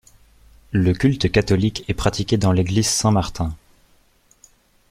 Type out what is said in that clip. Le culte catholique est pratiqué dans l'église Saint Martin.